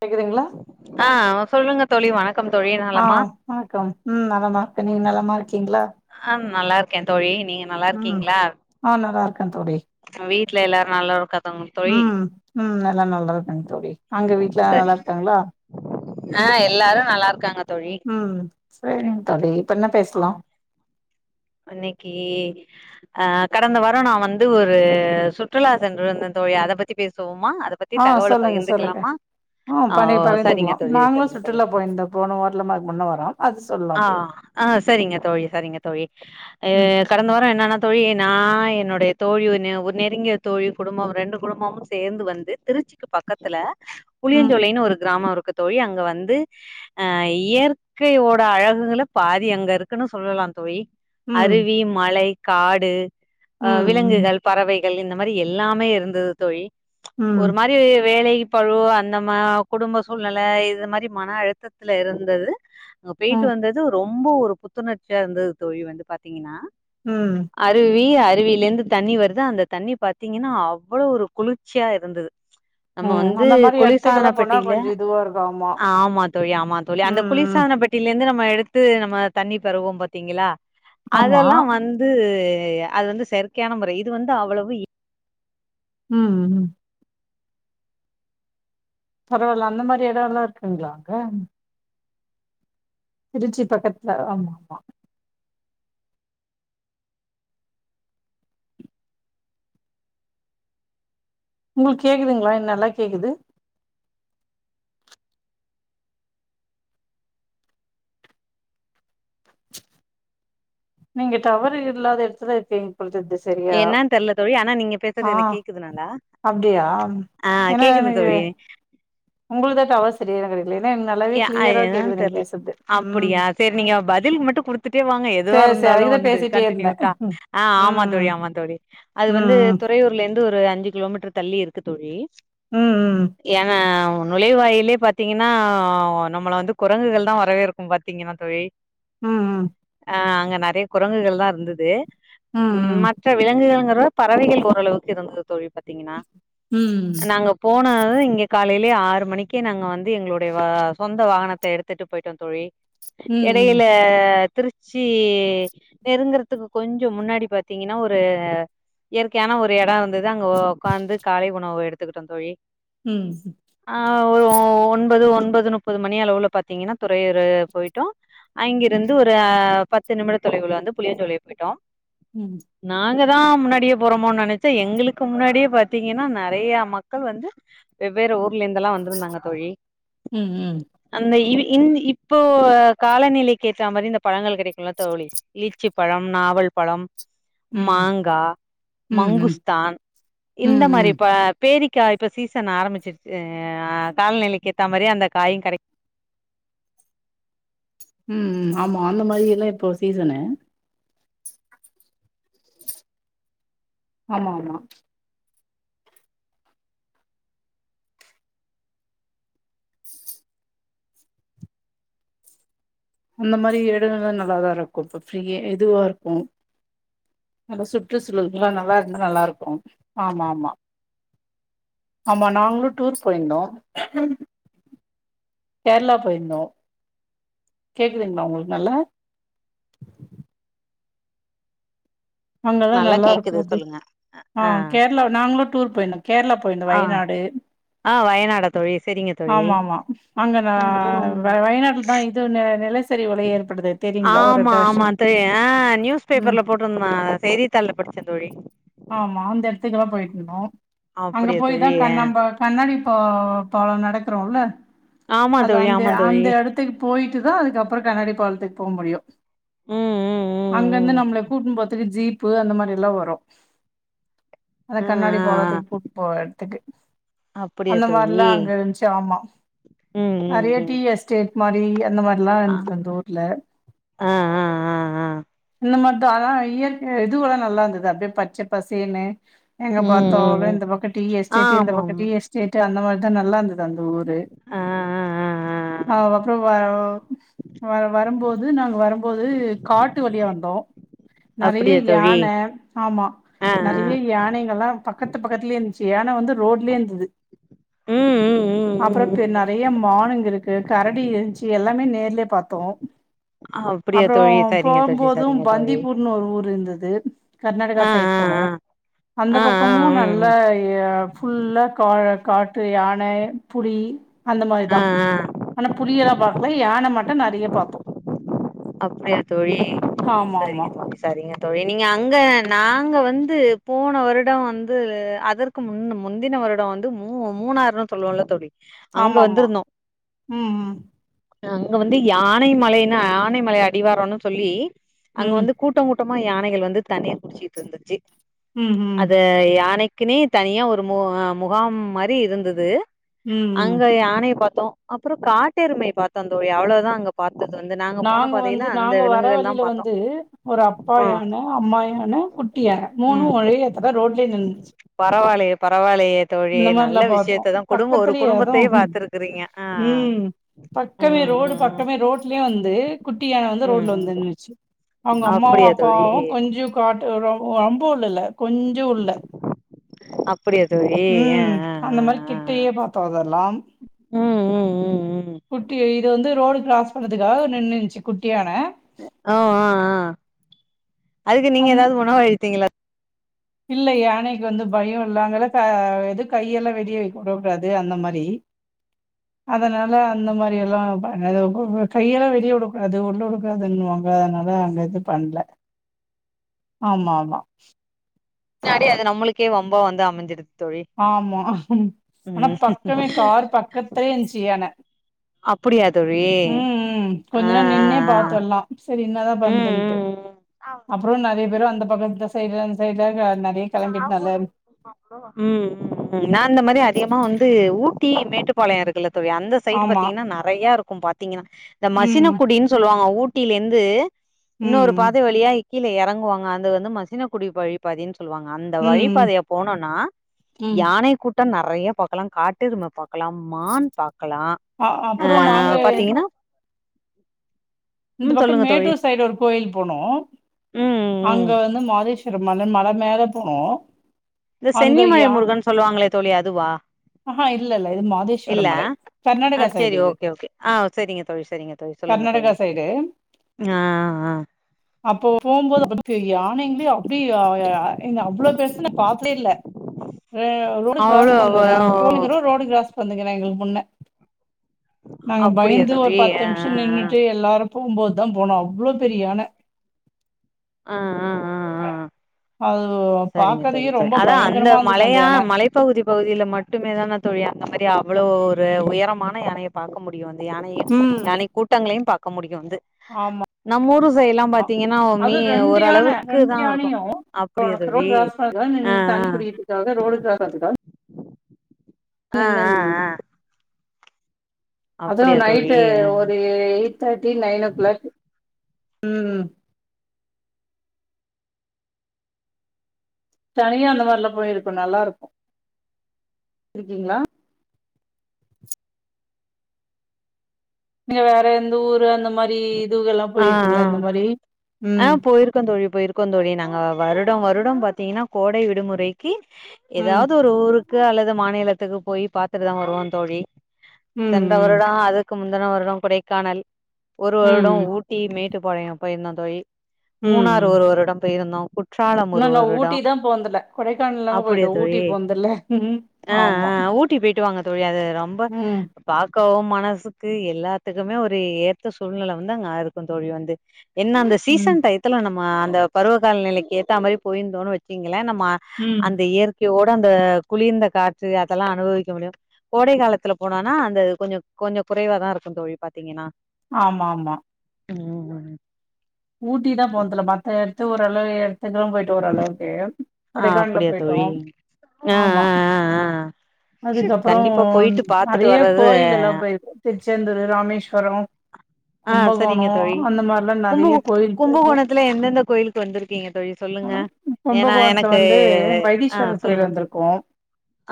கேட்குதுங்களா அ சொல்லுங்க தோழி வணக் வணக்கம் தோழி அ நலமா வணக்கம் ம் நல்லமா இருக்கேன் நீங்க நல்லமா இருக்கீங்களா ஆ நல்லா இருக்கேன் தோழி நீங்க நல்லா ம் இருக்கீங்களா ஆ நல்லா இருக்கே தோழி வீட்டுல எல்லாரும் நல்லா இருக்காங்களா தோழி ம் ம் எல்லா நல்லா இருக்காங்க தோழி அங்க வீட்ல எல்லா நல்லா இருக்காங்களா ஆன் எல்லாரும் நல்லா இருக்காங்க தோழி ம் செரிங்க தோழி இப்ப என்ன பேசலாம் அன்னக்கி அ கடந்த வாரம் நான் வந்து ஒரு சுற்றுலா சென்றுருந்த தோழி அத பத்தி பேசுவோமா அத பத் தி தகவல பகிர்ந்துக்கலாமா ஆன் ஆ பணி ஓ சரிங்க பகிர்ந்துக்கலாம் தோழி நாங்களும் சரிங்க தோழி சுற்றுலா போயிருதோம் போன வாரத்துக்கு முன்னே வாரம் அது சொல்லாம் ஆ அப்டியே ஆ செரிங்க தோழி செரிங்க தோழி அ ம் கடந்த வார என்னன்னா தோழி நா என்னுடைய தோழி ஒ ஒரு நெருங்கிய தோழி குடும்ப ரெண்டு குடும்பமு சேர்ந்து வந்து திருச்சிக்கு பக்கத்துல ம் புளியஞ்சோலைன்னு ஒரு கிராமோ இருக்கு தோழி அங்க வந்து இயற்கையோட அழகுகள பாதி அங்க இருக்குன்னு சொல்லலா தோழி ம் அருவி மலை காடு ஆ ம் விலங்குகள் பறவைகள் இந்த மாரி எல்லாமே இருந்தது தோழி ம் ம் ஒரு மாரி வேலை பழு அந்தமா குடும்ப சூழ்நிலை இத மாதிரி மன அழுத்த துல இருந்தது அங்க போயிட்டு ம் வந்தது ரொம்ப ஒரு புத்துணர்ச்சியா இருந்தது தோழி வந்து பாத்தீங்கன்னா ம் அருவி அருவிலேருந்து தண்ணி வருது அந்த தண்ணி பாத்தீங்கன்னா அவ்வளோ ஒரு குளிர்ச்சியா இருந்தது [inaudible] நம்ம வந்து அந்த மாரி குளிர் சாதன எடத்துக்கெல்லா போனா பெட்டியில கொஞ்சோ இதுவா இருக்கு ஆமா தோழி ஆமா தோழி அந்த ம் ம் குளிர்சாதன பெட் டில இருந்து நம்ம எடுத்து நம்ம தண்ணி பருகுவோ பாத்தீங்களா ஆமா அதெல்லா வந் து அது வந்து செயற்கையான முறை இது வந்து அவ்வளவு ம் ம் பரவாயில்ல அந்த மாரி எடோ எல்லா இருக்குங்களா அங்க திருச்சி பக்கத்துல ஆமா ஆமா உங்களுக்கு கேக்குதுங்களா நல்லா கேக்குது நீங்க டவர் இல்லாத எடத்துல இருப்பீங்க என்னான்னு தெர்ல தோழி ஆனா நீங்க ஆ பேசுறது எனக்கு கேக்குது நல்லா அப்டியா ஆ கேக்குது தோழி உங்களுக்கது அவசரியலா கெடையாது எ அ என்னான்னு தெர்ல ம் அப்படியா செரி நீங்க பதில்க் மட்டு குடுத்து துட்டே வாங்க எதுவா சேரி சேரி இருந்தாலு அதுக்குதா வந்து பேசிட்டே இருந்தே கண்டனியூட்டா ஆ ஆமா ம் தோழி ஆமா தோழி அது வந்து ம் துறையூர்லருந்து ஒரு அஞ்சு கிலோமீட் டர் தள்ளி இருக்கு தோழி ம் ஏனா நுழைவாயிலே பாத்தீங்கன்னா ஆ நம்மள வந்து குரங்குகள் தா வரவேற்கும் பாத்தீங்கன்னா தோழி ம் ஆ அங்க நறைய குரங்குகள் தா இருந்தது ம் மற்ற விலங்குகள்ங்கிற பறவைகள் ஓரளவுக்கு இருந்தது தோழி பாத்தீங்கன்னா ம் நாங்க போனது இங்க காலையிலயே ஆறு மணிக்கே நாங்க வந்து எங்களோட டய சொந்த வாகனத்தை எடுத்துட்டு போயிட்டோ தோழி ம் இடையில ம் திருச் சி நெருங்கறதுக்கு கொஞ்ச முன்னாடி பாத்தீங்கன்னா ஒரு இயற்கயான ஒரு எடோ இருந்துது அங்க உக்காந்து காலை உணவு எடுத்துகிட்டோ தோழி ம் ஆ ஒரு ஒன்பது ஒன்பது முப்பது மணி அளவுல பாத்தீங்கனா துறையூரு போய்டோ அங்கிருந்து ஒரு பத்து நிமிட தொலைவுல வந்து புளியஞ்சோழை போய்டோ ம் நாங்கதா முன்னாடியே போறோமோனு நினச்சா எங்களுக்கு முன்னாடியே பாத்தீங்கனா நெறய மக்கள் வந்து வெவ்வேறு ஊர்ல இருந்தெல்லா வந்திருந்தாங்க தோழி ம் ம் அந்த இ இன் இப்போ காலநிலைக்கு ஏத்தா மாரி இந்த பழங்கள் கெடக்குல தோழி லிச்சி பழம் நாவல் பழம் ம் மாங்கா ம் ம் மங்குஸ்தான் இந்த ம் ம் மாரி ப பேரிக்கா இப்போ சீசன் ஆரம்பிச்ருச்சு ஆ கால்நிலைக்கு ஏத்தா மாரி அந்த காயும் கெட ப் ம் ஆமா அந்த மாரிலா இப்போ சீசனு ஆமா ஆமா அந்த மாரி இடங்களலா நல்லாதா இருக்கோ இப்ப ஃப்ரீயா இதுவா இருக்கோ அந்த சுற்றுசூழல்லா நல்லா இருந்த நல்லா இருக்கோ ஆமா ஆமா ஆமா நாங்ளு டூர் போய்ந்தோ கேர்ளா போய்ர்தோ கேகுதுங்ளா உங்களுக் நல்ல அங்கதா நல்லா நல்லாருக்கோ கேக்குது அப்டி சொல்லுங்க ஆ கேர்ளா நாங்ளோ டூர் போய்ந்தோ கேர்ளா போய்ர்ந்தோ ஆ வயநாடு ஆ வயநாடா தோழி செரிங்க தோழி ஆமா ஆமா அங்க ந ம் ம் வயநாட்டுலதா தெச்ச உன்னே நில ஆமா ஆமா தெரியா நியூஸ் ம் பேப்பர்ல போட் ருந்தாங்க செய்தி தாள்ள படிச்சே தோழி ஆமா அந்த இடத்துக்குதா‌ போய்ர்தோ அங்க அப்படியா போய் தா தோழி ஆ. கண்ணம்பா கண்ணாடி பா பாலோ நடக்குறோல ஆமா அது தோழி அந்த ஆமா தோழி அந்த எடத் துக் போய்ட்டு தா அதுக்கப்றோ கண்ணாடி பாலதுக்கு போ முடியோ ம் ம் அங்க இந்து ம் ம் நம்ள ம். கூட்னு போத்துக்கு ஜீப்பு அந்த மாரிலா வரு அத ஆ கண்ணாடி ஆ பாலத்துக்கு கூட்னு போ எட்துக்கு ஆ அப்படியா அந்த மார்லா தோழி அங்க இருந்சு ஆமா ம் ம் நிறய ம் டீ எஸ்டேட் மாரி அந்த மார்லா ஆ இர்துது அந்த ஊர்ல ஆ ஆ ஆ ஆ இந்த மார் தா இயற்க இது உலா நல்லா இர்தது அப்டே பச்ச பசேன்னு எங்க ம் ம் பாத்தாலோ ம் இந்த பக்க டி எஸ்டேட்டு இந்த பக்க ஆமாம் டி எஸ்டேட்டு அந்த மாரிதா நல்லா இர்துது அது அந்த ஊரு ஆ ஆ ஆ ஆ ஆ அதுக்கப்றோ ஆவ் வ வரும்போது நாங்க வருபோது காட்டு வலியா வந்தோ நெறைய அப்படியா தோழி யான ஆமா ஆ ஆ நெறைய யானங்கலா பக்கத்து பக்கத்லேயே இருந்சு யான வந்து ரோட்லியே இர்துது ம் ம் ம் ம் அப்றோ ம் நெறய ம் மானுங்க இருக்கு கரடி இருந்சு எல்லாமே நேர்லே பாத்தோ அப்படியா அப்றோ தோழி சரிங்க தோழி போம்போதோ சரிங்க தோழி பந்திப்பூர்னு ஒரு ஊர் இர்துது கர்நாடகா ஆ சைட் போனோ அந்த ஆ ஆ ஆ ஆ பக்கமோ ம் நல்லா ஃபுல்லா கா காட்டு யான புலி அந்த மாரிதா ம் ஆ ஆனா புலியலா ஆ பாக்கல யான மட்டு நெறய பாத்தோ அப்டியா தோழி ஆமா ஆமா செரிங்க செரிங்க தோழி நீங்க அங்க நாங்க வந்து போன வருடோ வந்து அதற்கு கு முன்ன முந்தின வருடோ வந்து மூ மூணாறு சொல்லுவோலா தோலி அங்க ஆமா ஆமா வந்ருந்தோ ம் ம் அங்க வந்து யானை மலைன்னா யானை மலை அடிவாரோன்னு சொல்லி அங்க ம் வந்து கூட்டோ கூட்டமா யானைகள் வந்து தண்ணீர் குடிச்சிட்டு இருந்துச்சு ம் அது யானைக்குனே தனியா ஒரு மு முகாம் மாரி இருந்தது ம் ம் அங்க யானய பாத்தோ அப்றோ காட்டெருமை பாத்தோ தோழி அவ்ளோதா அங்க பாத்தது வந்து நா நாங்க வந்து நாங்க வர வலில வந்து ஒரு அப்பா ஆ யான அம்மா யான குட்டி யான மூணோ ஒரே எத்துல ரோட்லியே நின்னுன்சு பரவாலெயே பரவாலயே தோழி நல்ல மாரிலாம் பாத்தோம் விஷ்யத்த தா கொடும்ப ஒரு பக்கத்துலயே கொடும்பத்தேயே அதுவும் பாத்துருக்றீங்க ஆ பக்கவே ம் ரோடு ம் ம் பக்கமே ரோட் லெ வந்து குட்டி யான வந்து ம் ரோட்ல ம் வந்துந்ச்சி அவுங்க அம்மாவும் அப்படியா தோழி அப்பாவு கொஞ்ஜோ காட்டு ரொம் ரொம்ப உள்ளல்ல கொஞ்ஜோ உள்ள அப்படியா தோழி ஆ ம் ஆ ஆ அந்த மாரி ஆ கிட்டயே பாத்தோ அதெல்லா ம் ம் ம் ம் குட்டி இது வந்து ரோடு க்ராஸ் பன்னதுக்காக நின்னுஞ்சி குட்டி யான அ ஒ அ அதுக்கு நீங்க அந்த எதாவ்து உணவு அளித்தீங்ளா இல்ல யானைக் வந்து பயொ இல்லாங்கல்லக எதுக் கையெல்லா வெடி [unintelligible] அந்த மாரி அதனால அந்த மாரி எல்லா [unintelligible] கையெல்லா வெளிய உடக்கூடாது உள்ள வுடக் கூடாதுன் வாங்க அதனால அங்க இது பண்ல ஆமா ஆமா பின்னாடி அது நம்மளுக்கே வம்பா வந்து அமஞ்சிர் ஆமா ஆனா பக்கமே கார் பக்கத்ல்யே இருஞ்சு யான அப்படியா தோழி ம் ம் ஆ ஆ கொஞ்சொ நேரோ நின்னே ஆ பாத்துர்லா செரி இன்னதா ம் பன்துன்ட்டு ம் ம் அப்றோ நெறைய பேரு அந்த பக்கத்து சைட்ல அந் சைட்ல நெறைய கெளம்பிட்னால ம் ம் ம் நா அந்த மாரி அதிகமா வந்து ஊட்டி மேட்டுப்பாளயொ இருக்குல தோழி அந்த சைட் ஆமா பாத்திங்ன்னா நெறைய இருக்கு பாத்திங்ன்னா இந்த ம் மசின குடினு சொல்லுவாங்க ஊட்டிலே ந்து இன்னொரு ம் பாதெ வழியா கீழ எறங்குரவாங்க அது வந்து மசின குடி வழிப்பாதின் சொல்லுவாங்க அந்த ம் வழி ம் பாதையா போனோனா ம். யானை கூட் டம் நெறைய பாக்லா காட்டெரும பாக்கலாம் மான் பாக்கலா அ அப்புற அ நாங்க பாத்திங்கன்னா இந்த பக்கொ மேட்டூர் சைடுர ஒரு கோயில் போனோ ம் ம் ம். அங்க வந்து மாதேஷ் கிறப் மனன் மல மேலே போனோ இந்த சென்னிமலை முருகன் சொல்லுவாங்ளே தோழி அதுவா ஆஹா இல்ல இல்ல இது இல்ல மாதேஸ்வரம் மலை. அ கர்நாடகா சைடு செரி இது. ஓகே ஓகே ஆ செரிங்க தோழி செரிங்க தோழி சொல்லுங்க தோழி கர்நாடகா சைடு ஆ ஆ அப்போ போம்போது [inaudible] [unintelligible] யானைங்ளே அப்டி ஆ அவ்ளோ பெர்சு ந பாத்தே இல்ல அ ரோடு அவ்ளோ க்ராஸ் அவ பண்துங்க நாங்க போய்ணுக்றோ ரோடு க்ராஸ் பண்துங்கெ எங்ளுக் முன்ன நாங்க அப்டியா பய்ந்து ஒரு தோழி ஆ பத்து நிம்ஷொ நின்னுட்டு எ ல்லாரு போம்போதுதா போனோ அவ்ளோ பெரிய யான அ அ அ அது ஒ செரிங்க தோழி செ அதானஅந்த மலையா யான. மலை ப்பகுதி பகுதில மட்டுமே தான தோழி அந்த மாரி அவ்ளோ ஒரு உயரமான யானைய பாக்க முடியு வந்து யானையு ம். யானை கூட்டங்ளயு பாக்க முடியு வந்து ஆமா நம்ம ஊரு சைடுலா பாத்திங்கன்னா மே அதுவும் ஓரளவுக்கு தா இருக்கு அப்டி அத் ரோட் க்ராஸ் பண்துக்கா நின்னு தண்ணி குடிக்ருக்காக ரோடு க்ராஸ் பண்துக்கா ஆ ஆ நின்னுனுக்குது ஆ ஆ அதுவு அப்டியா தோழி நைட்டு ஒரு ரு eight thirty nine o'clock தனியா அந்த மார்லா போய்ருக்கொ நல்லாருக்கு ர்க்கிங்ளா நீங்க வேற எந்த ஊரு அந்த மாரி இதுவ் கெல்லா போய்ர்க்கீங்ளா இந்த மாரி அ போய்ருக்கோ தோழி போய்ருக்கோ தோழி நாங்க வருடொ வருடொ பாத்திங்ன்னா கோடை விடுமுறைக்கி ம் ஏதாவ்து ஒரு ஊருக்கு அல்லது மாநிலத்துக்கு போயி பாத்துட்டு தா வருவோ தோழி ம் சென்ற ம் வருடொ அதுக்கு முந்துன வருடொ கொடைக்கானல் ஒரு வருடொ ம் ஊட் டி மேட்டுப்பாளையொ போய்ருந்தோ தோழி மூணாறு ஒரு வருடொ போய்ருந்தோ குட் உன்னு நா ஊட்டி தா போன்து இல்ல கொடைக்கானல்லா போயிட்டோ ஊட்டி போந்துல்ல ம் அ அ ஆமா ஊட்டி போயிட்டு வாங்க தோழி அது ரொம்ப ம் பாக்கவு மனசுக்கு எல்லாத்துக்குமே ஒரு ஏற்ற சூழ்நில வந்த நா இருக்க தோழி வந்து என்ன அந்த ம் சீசன் டையத்ல நம்ம ஆ அந்த பருவகாலநிலைக்கு ஏத்தா மாறி போயிருந்தோன்னு வச்சிங்கள நம்மா ம் அந்த இயற்கையோட அந்த குளிர்ந்த காற்று அதெல்லா அனுபவிக்க முடியு கோடை காலத்துல போனனா அந்த கொஞ்சம் கொஞ்சோ குறைவாதா இருக்கு தோழி பாத்தீங்கன்னா ஆமாம்மா ஆமா ம் உம் மா ஊட்டி தா போனதுல மத்த இடத்து ஓரளவு இடத்துக்குலா போயிட் டோ ஓரளவுக்கு ஆ கொடைக்கானல அப்டியா போயிட்டோ தோழி ஆ ஆமா ஆ ஆ ஆ அதுக்கப்ரோ கண்டிப்பா போயிட்டு பாத்துட்டு நறைய வர்றது கோய்ல் எல்லா போயிருக்க திருச்செந்தூரு ராமேஸ்வரோ ஆ கும்பகோணோ சரிங்க தோழி அந்த மார்லா கும்பு நறையே கும்பகோணத்துல எந்தெந்த கோயிலுக்கு வந்திருக்கீங்க தோழி ஏனா கும்பகோணத்துல எனக்கு வந்து ஆ வைத்தீஸ்வரர் கோயில் சொல்லுங்க தோ வந்திருக்கோ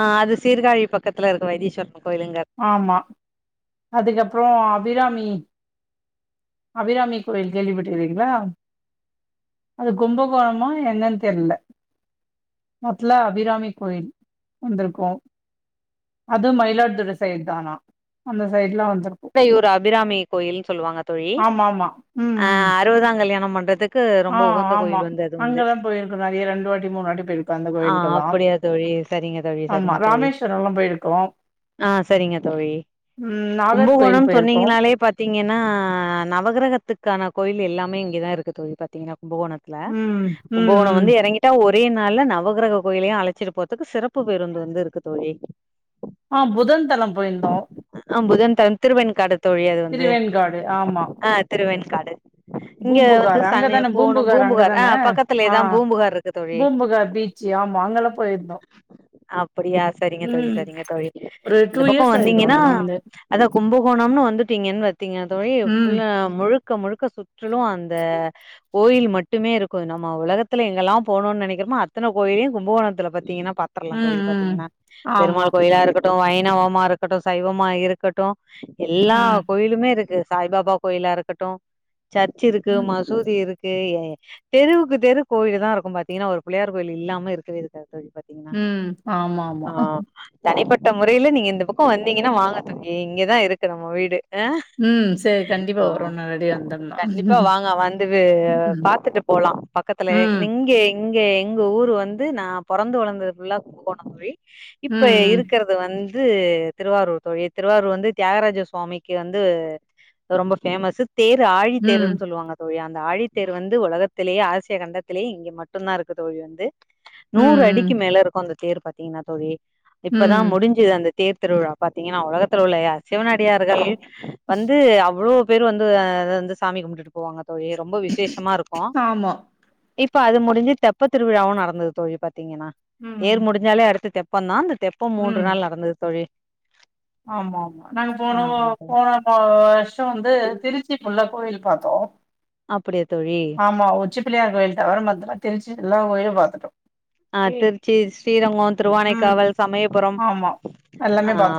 ஆ அது சீர்காளி பக்கத்துல இருக்கு வைத்தீஸ்வரன் கோயிலுங்கள் ஆமா அதுக்கப்ரோ அபிராமி அபிராமி கோயில் கேள்விப்பட்டுறிங்ளாம் அது கும்பகோணமா என்னன் தெர்ல மட்டுல அபிராமி கோயில் வந்துருக்கோ அது மயிலாடுதுறை சைடு தானா அந்த சைடுலா வந்துருக்கு கொடையூரா அபிராமி கோயில்னு சொல்லுவாங்க தோழி ஆமா ஆமா ம் அ ம் அறுபதா கல்யாணம் பண்றதிக் கு ஆ ரொம்ப உகந்த ஆமா கோயில் வந்து அது வந்து அங்கதா போயிருக்கோ நெறைய ரெண்டு வாட்டி மூணு வாட்டி போயிருக்கோ அந்த ஆ கோயிலுக்கெல்லா அப்டியா தோழி தரிங்க தோழி ஆமா சரிங்க தோழி ராமேஸ்வரம்லா போயிருக்கோ ஆ சரிங்க தோழி ம் நாகர்கோயில் கும்பகோணம் போயிருக்கோ சொன்னீங்கனாலே பாத் தீங்கனா அ நவகிரகத்துக்கான கோயில் எல்லாமே இங்கேதா இருக்கு தோழி பாத்தீங்கன்னா கும்பகோணத் ல ம் ம் கும்பகோனம் ம் வந்து இறங்கி ட்டா ஒரே நாள்ல நவகிரக கோயிலையு அழைச்சிட்டு போர்த்துக்கு சிறப்பு பேருந்து வந்து இருக்கு தோழி ஆ புதன் தலம் போயிந்தோ ஆ புதன் தன்திருவன் காடு தோழி அது வந்து திருவேன்காடு ஆமா அ திருவன்காடு இங்க வந்து பூம்புகார் சாமியோ அங்கதான போணு பூம்புகார் ஆ அங்கதான பக்கத்துலேதா பூம்புகார் இருக்கு தோழி சியா மாங்கல்லம் போயிருந்தோ அப்டியா சரிங்க தோழி ம் சரிங்க தோழி ஒரு இந்த டூ பக்கோ இயர்ஸ் ஆயிருக்கு வந்தீங்கன்னா அங்கெல்லா வந்து அதா கும்பகோணம்னு வந்துட்டீங்கன் வத்தீங்னா தோழி ம் புல்லா முழுக்க முழுக்க சுற்றுலு அந் த கோயில் மட் டுமே இருக்கு நம்ம உலகத்துல எங்கெல்லா போணும்னு நனைக்கிறோ அத்தன கோயிலையு கும்பகோணத்து பத்தீங்கன்னா பாத் ம் துல்லா ம் பாத்தீங்னா ஆமா பெருமாள் கோயிலா இருக்கட்டு வைணவமா இருக்கட்டு சைவமா இருக்கட் எல்லா ம் கோயிலுமே இருக்கு சாய்பாபா கோயிலா இருக்கட்டு சர்ச்சி இருக்கு ம் மசூதி இருக் கு யய தெருவுக்கு தெரு கோவில்தா இருக்கு பாத்தீங்கன்னா ஒரு பிள்ளையார் கோவில் இல்லாம இருக்கவே இருக்காது தோழி பத் உம் ஆமா ஆமா தனிப்பட்ட முறையில நீங்க இந்த பக்கோ வந்தீங்கன்னா வாங்க தோழி இங்கதா இருக்கு நம்ம வீடு அ ம் சரி கண்டிப்பா ஆ வரோ நேரடியா வந்தோம்னா கண்டிப்பா வாங்க வந்து விவ் ம் பாத்துட்டு போலா பக்கத்திலே ம் நீங்கே இங்கே எங்க ஊரு வந்து நா பொறந்து வளர்ந்தது புல்லா கும்பகோணம் தோழி இப்ப ம் இருக்கறது ந்த வந்து திருவாரூர் தோழித் திருவாரூர் வந்து தியாகராஜ சுவாமிக்கு வந்து ரொம்ப ஃபேமஸ்சு தேரு ஆழி ம் தேருன்னு ம் சொல்லுவாங்க தோழி அந்த ஆழித்தேரு வந்து உலகத்திலேயே ஆசிய கண்டத்திலேயே இங்கே மட்டுந்தா இருக்கு தோழி வந்து நூறு அடிக்கு ம் மேலருக்கு அந்த தேர் பாத்தீங்ன்னா தோழி இப்பதா ம் முடிஞ் சு ஒஅந்த தேர் திருவிழா பாத்தீங்கன்னா உலகத்துல்ல உள்ள சிவனடியார்கள் வந்து அவ்ளோ பேரு வந்து அ அது வந்து சாமி கும்பிட்டுட்டு போவாங்க தோழி ரொம்ப விசேஷமா இருக்கு ஆமா இப்ப அது முடிஞ்சி தெப்பத்திருவிழாவு நடந்தது தோழி பாத்தீங்கன்னா தேர் ம் முடிஞ்சாலே அடுத்து தெப் பந்தா அந்த தெப்பம் மூன்று நாள் நடந்தது தோழி ஆம்மா ஆம்மா நாங்க போனோ ஆமா தோழி போன அ வருஷோ வந்து திருச் சி ஃபுல்லா கோயில் பாத்தோ அப்பிடியா தோழி ஆமா உச்சி பிள்ளையார்க் கோயில் தவிர மதுர திருச்சி எல்லா கோயில பாத்துட்டோ அ திருச்சி ஸ்ரீரங்கோ ம் திருவானைக்காவல் சமயபுரம் ஆமா எல்லாமே அ பாத்தோ